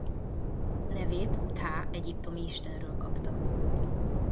Nevét Ptah egyiptomi istenről kapta.